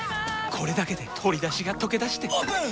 これだけで鶏だしがとけだしてオープン！